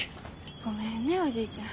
ごめんねおじいちゃん。